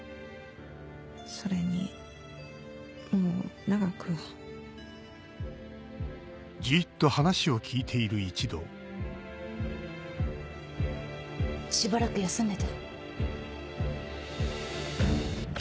それにもう長くは。しばらく休んでて。